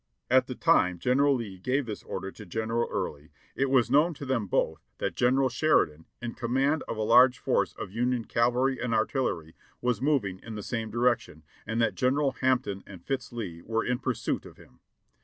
"At the time General Lee gave this order to General Early it was known to them both that General Sheridan, in command of a large force of Union cavalry and artillery, was moving in the same direc tion, and that General Hampton and Fitz Lee were in pursuit of him.